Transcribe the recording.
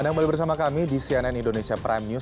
anda kembali bersama kami di cnn indonesia prime news